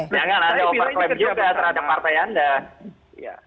jangan ada over claim juga terhadap partai anda